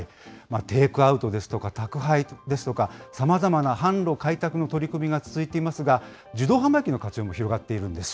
テイクアウトですとか、宅配ですとか、さまざまな販路開拓の取り組みが続いていますが、自動販売機の活用も広がっているんです。